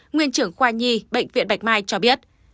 nguyên trưởng khoa nhi bệnh viện bạch mai cho biết